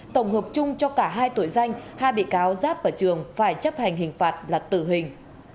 tổng hợp chung cho cả hai tội danh hai bị cáo giáp vào trường phải chấp hành hình phạt là tử hình